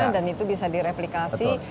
dan itu bisa direplikasi